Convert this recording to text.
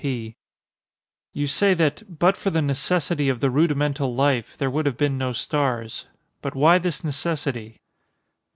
P. You say that "but for the necessity of the rudimental life" there would have been no stars. But why this necessity?